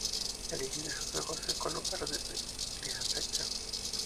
El iris de sus ojos es de color verde grisáceo.